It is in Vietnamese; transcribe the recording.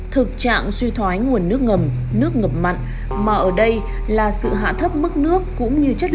thực trạng suy thoái nguồn nước ngầm nước ngập mặn mà ở đây là sự hạ thấp mức nước cũng như chất